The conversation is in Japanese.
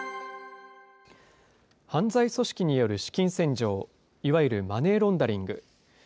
犯罪組織による資金洗浄、いわゆるマネーロンダリング。